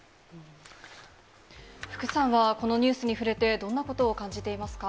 福さんは、このニュースに触れて、どんなことを感じていますか？